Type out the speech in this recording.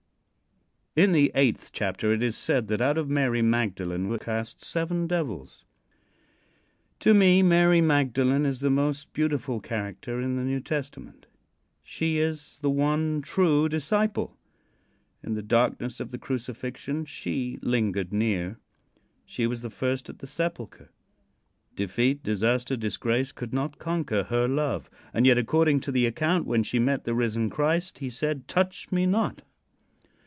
In the eighth chapter it is said that out of Mary Magdalene were cast seven devils. To me Mary Magdalene is the most beautiful character in the New Testament. She is the one true disciple. In the darkness of the crucifixion she lingered near. She was the first at the sepulcher. Defeat, disaster, disgrace, could not conquer her love. And yet, according to the account, when she met the risen Christ, he said: "Touch me not."